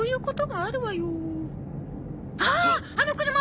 ああっあの車！